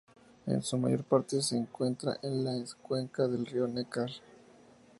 En su mayor parte se encuentra en la cuenca del río Neckar.